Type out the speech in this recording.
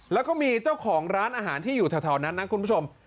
แล้วก็มีเจ้าของร้านอาหารที่อยู่แถวนั้นนะคุณผู้ชม